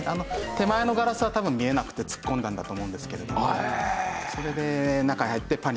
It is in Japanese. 手前のガラスは多分見えなくて突っ込んだんだと思うんですけれどもそれで中へ入ってパニックに。